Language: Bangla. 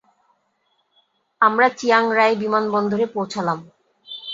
আমরা চিয়াং রাই বিমানবন্দরে পৌঁছালাম।